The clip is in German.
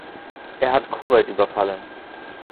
Er hat Kuwait überfallen.